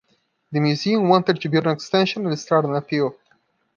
The museum wanted to build an extension and started an appeal.